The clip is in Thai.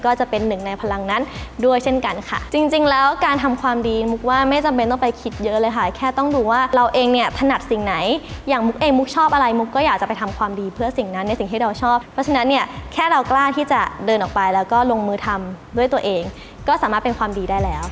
ก็จะเป็นหนึ่งในพลังนั้นด้วยเช่นกันค่ะจริงจริงแล้วการทำความดีมุกว่าไม่จำเป็นต้องไปคิดเยอะเลยค่ะแค่ต้องดูว่าเราเองเนี่ยถนัดสิ่งไหนอย่างมุกเองมุกชอบอะไรมุกก็อยากจะไปทำความดีเพื่อสิ่งนั้นในสิ่งที่เราชอบเพราะฉะนั้นเนี่ยแค่เรากล้าที่จะเดินออกไปแล้วก็ลงมือทำด้วยตัวเองก็สามารถเป็นความดีได้แล้ว